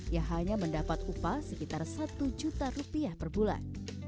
ia hanya mendapat upah sekitar satu juta rupiah per bulan